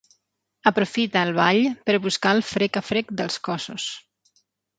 Aprofita el ball per buscar el frec a frec dels cossos.